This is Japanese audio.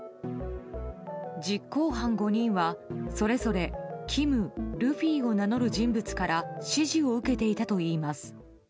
実行犯５人は、それぞれキム、ルフィを名乗る人物から指示を受けていたといいます。